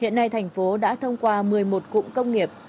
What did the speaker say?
hiện nay thành phố đã thông qua một mươi một cụm công nghiệp